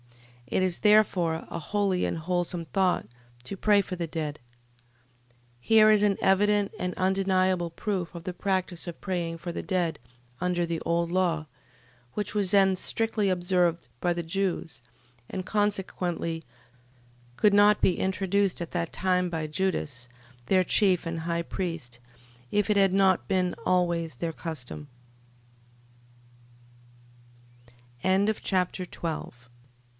It is therefore a holy and wholesome thought to pray for the dead... Here is an evident and undeniable proof of the practice of praying for the dead under the old law, which was then strictly observed by the Jews, and consequently could not be introduced at that time by Judas, their chief and high priest, if